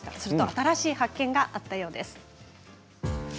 新しい発見があったようです。